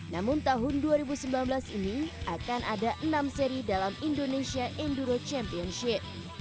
namun tahun dua ribu sembilan belas ini akan ada enam seri dalam indonesia enduro championship